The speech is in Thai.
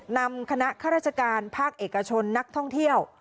นำคณะข้าราชการภาคเอกชนนักท่องเที่ยว